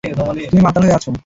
তুমি মাতাল হয়ে আছো।